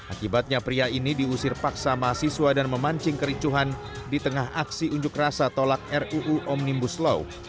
akibatnya pria ini diusir paksa mahasiswa dan memancing kericuhan di tengah aksi unjuk rasa tolak ruu omnibus law